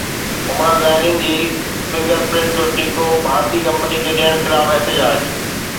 عمره زائرين جي فنگر پرنٽ جو ٺيڪو ڀارتي ڪمپني کي ڏيڻ خلاف احتجاج